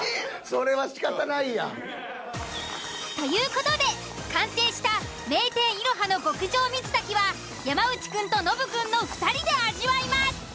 それはしかたないやん。という事で完成した名店「いろは」の極上水炊きは山内くんとノブくんの２人で味わいます。